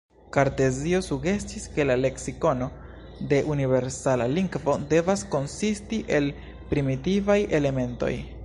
Kartezio sugestis ke la leksikono de universala lingvo devas konsisti el primitivaj elementoj.